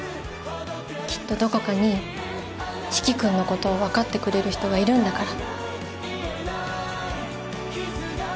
きっとどこかに四鬼君のことを分かってくれる人がいるんだから